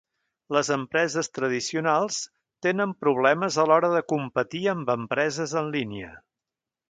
Les empreses tradicionals tenen problemes a l'hora de competir amb empreses en línia.